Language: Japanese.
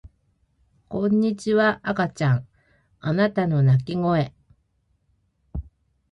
こんにちは赤ちゃんあなたの泣き声